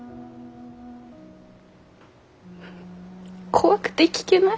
怖くて聞けない。